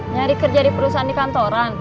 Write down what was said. nyari kerja di perusahaan di kantoran